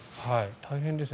大変ですね。